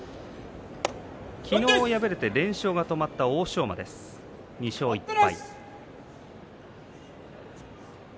昨日、敗れて連勝が止まった欧勝馬、２勝１敗。